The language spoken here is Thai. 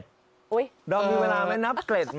ดอมมีเวลาไหมนับเกร็ดไหม